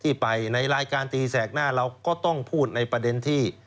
ที่ไปในรายการตีแสกหน้าเราก็ต้องพูดในประเด็นที่